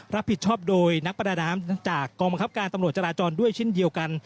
รับผิดชอบโดยนักประดาน้ำจากกองบังคับการตำรวจจราจรด้วยเช่นเดียวกัน